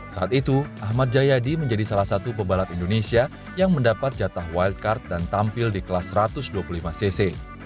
saat itu ahmad jayadi menjadi salah satu pebalap indonesia yang mendapat jatah wildcard dan tampil di kelas satu ratus dua puluh lima cc